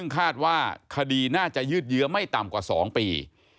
คาดว่าคดีน่าจะยืดเยื้อไม่ต่ำกว่า๒ปี